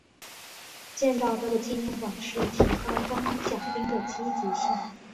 建造这个纪念馆是提高装甲兵的积极性。